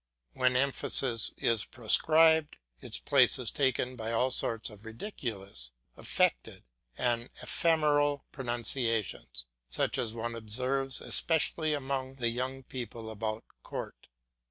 When emphasis is proscribed, its place is taken by all sorts of ridiculous, affected, and ephemeral pronunciations, such as one observes especially among the young people about court.